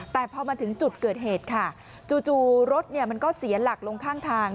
แต่พอมาถึงจุดเกิดเหตุค่ะจู่รถมันก็เสียหลักลงข้างทาง